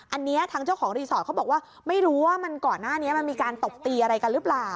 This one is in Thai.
อันนี้ทางเจ้าของรีสอร์ทเขาบอกว่าไม่รู้ว่ามันก่อนหน้านี้มันมีการตบตีอะไรกันหรือเปล่า